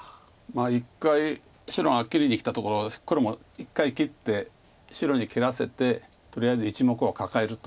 １回白が切りにきたところ黒も１回切って白に切らせてとりあえず１目をカカえると。